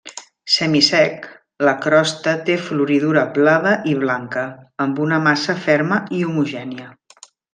Semisec, la crosta té floridura blava i blanca, amb una massa ferma i homogènia.